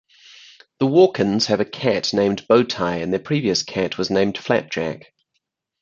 The Walkens have a cat named Bowtie and their previous cat was named Flapjack.